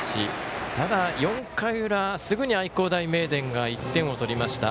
ただ、４回裏すぐに愛工大名電が１点を取りました。